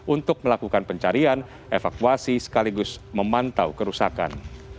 untuk melakukan pencarian evakuasi sekaligus memantau kerusakan